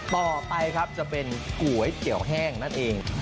ต่อไปครับจะเป็นก๋วยเตี๋ยวแห้งนั่นเอง